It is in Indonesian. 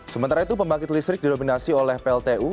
sementara itu pembangkit listrik didominasi oleh pltu